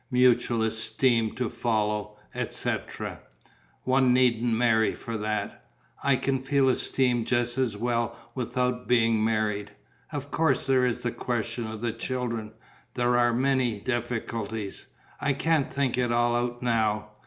Mutual esteem to follow, etcetera? One needn't marry for that. I can feel esteem just as well without being married. Of course there is the question of the children, there are many difficulties. I can't think it all out now.